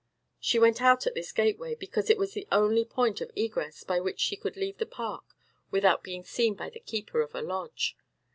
She went out at this gateway because it was the only point of egress by which she could leave the park without being seen by the keeper of a lodge.